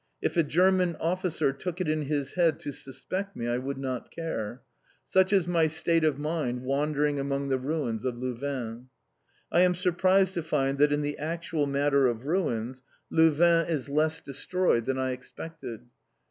If a German officer took it in his head to suspect me I would not care. Such is my state of mind wandering among the ruins of Louvain. I am surprised to find that in the actual matter of ruins Louvain is less destroyed than I expected.